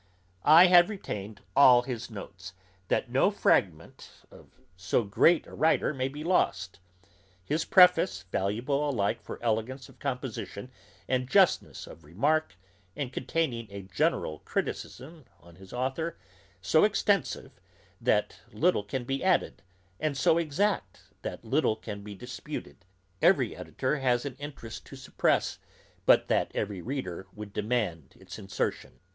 I have retained all his notes, that no fragment of so great a writer may be lost; his preface, valuable alike for elegance of composition and justness of remark, and containing a general criticism on his authour, so extensive, that little can be added, and so exact, that little can be disputed, every editor has an interest to suppress, but that every reader would demand its insertion.